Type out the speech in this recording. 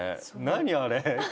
何あれ？